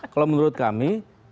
kalau menurut kami